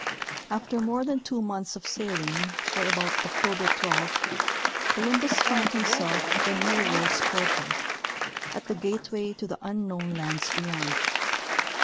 After more than two months of sailing, or about October 12, Columbus found himself at the New World's portal — at the gateway to the unknown lands beyond.